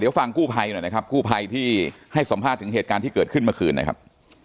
เดี๋ยวฟังกู้ภัยหน่อยนะครับกู้ภัยที่ให้สัมภาษณ์ถึงเหตุการณ์ที่เกิดขึ้นเมื่อคืนนะครับ